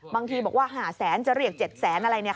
บางทีบอกว่า๕แสนจะเรียก๗แสนอะไร